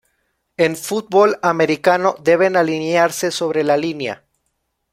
En fútbol americano deben alinearse sobre la línea.